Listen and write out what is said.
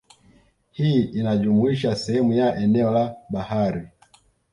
Hii inajumuisha sehemu ya eneo la bahari